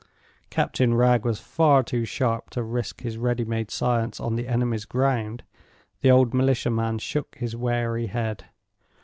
Captain Wragge was far too sharp to risk his ready made science on the enemy's ground. The old militia man shook his wary head.